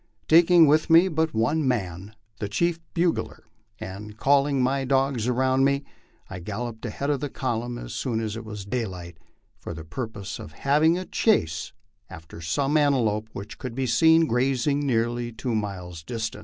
Taking with me but one man, the chief bugler, and calling my dogs around me, I galloped ahead of the column as soon as it was daylight, for the purpose of having a chase after some antelope which could be seen grazing nearly two miles dis tant.